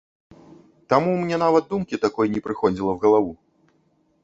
Таму мне нават думкі такой не прыходзіла ў галаву.